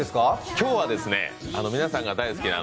今日は、皆さんが大好きな